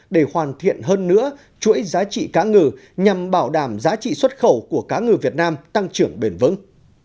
để hoàn thiện hơn nữa chuỗi giá trị cá ngừ nhằm bảo đảm giá trị xuất khẩu của cá ngừ việt nam tăng trưởng bền vững